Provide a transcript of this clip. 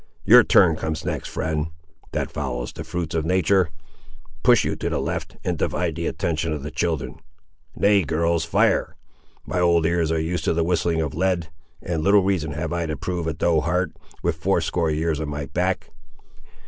Your turn comes next, friend; that follows the fruits of natur'. Push you to the left, and divide the attention of the children. Nay, girls, fire,—my old ears are used to the whistling of lead; and little reason have I to prove a doe heart, with fourscore years on my back."